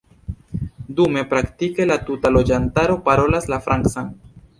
Dume, praktike la tuta loĝantaro parolas la Francan.